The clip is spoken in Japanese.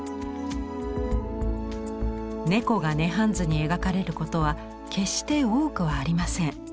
猫が「涅槃図」に描かれることは決して多くありません。